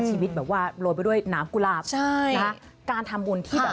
ชีวิตโรนไปด้วยน้ำกุลาบ